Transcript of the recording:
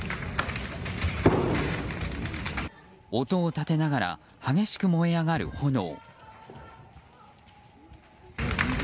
音を立てながら激しく燃え上がる炎。